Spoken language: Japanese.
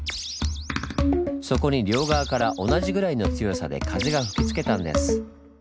そこに両側から同じぐらいの強さで風が吹きつけたんです。